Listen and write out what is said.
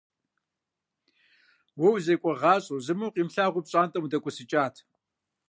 Уэ узекӀуагъащӀэу, зыми укъамылагъуу, пщӀантӀэм удэкӏуэсыкӏат.